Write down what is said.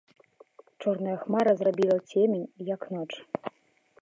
Чорная хмара зрабіла цемень, як ноч.